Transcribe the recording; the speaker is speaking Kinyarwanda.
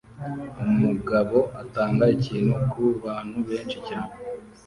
Umugabo atanga ikintu kubantu benshi cyane